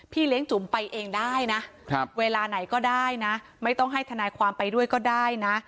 เลี้ยงจุ๋มไปเองได้นะเวลาไหนก็ได้นะไม่ต้องให้ทนายความไปด้วยก็ได้นะ